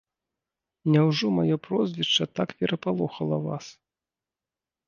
Няўжо маё прозвішча так перапалохала вас?